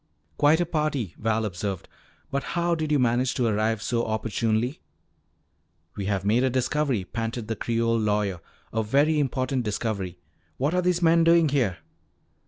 "Quite a party," Val observed. "But how did you manage to arrive so opportunely?" "We have made a discovery," panted the Creole lawyer; "a very important discovery. What are these men doing here?"